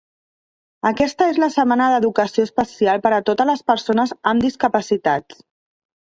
Aquesta és la setmana d'educació especial per a totes les persones amb discapacitats.